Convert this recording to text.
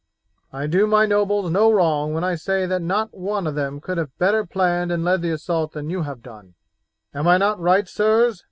I do my nobles no wrong when I say that not one of them could have better planned and led the assault than you have done. Am I not right, sirs?"